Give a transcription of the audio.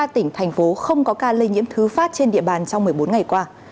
ba tỉnh thành phố không có ca lây nhiễm thứ phát trên địa bàn trong một mươi bốn ngày qua